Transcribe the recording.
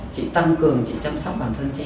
chị tăng cường chị chăm sóc bản thân chị